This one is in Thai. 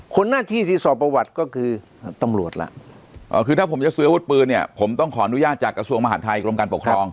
หน้าที่ที่สอบประวัติก็คือตำรวจล่ะคือถ้าผมจะซื้ออาวุธปืนเนี่ยผมต้องขออนุญาตจากกระทรวงมหาดไทยกรมการปกครอง